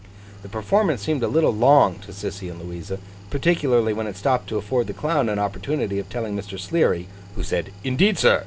The performance seemed a little long to Sissy and Louisa, particularly when it stopped to afford the Clown an opportunity of telling Mr. Sleary (who said 'Indeed, sir!